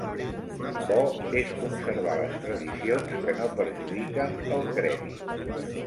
Bo és conservar les tradicions que no perjudiquen el crèdit